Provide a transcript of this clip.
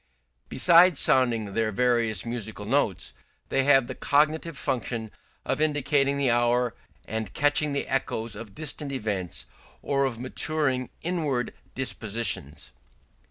Besides sounding their various musical notes, they have the cognitive function of indicating the hour and catching the echoes of distant events or of maturing inward dispositions.